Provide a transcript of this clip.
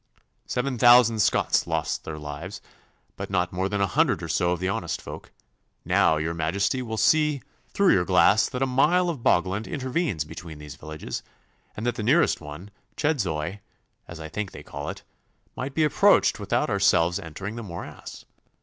Seven thousand Scots lost their lives, but not more than a hundred or so of the honest folk. Now, your Majesty will see through your glass that a mile of bogland intervenes between these villages, and that the nearest one, Chedzoy, as I think they call it, might be approached without ourselves entering the morass.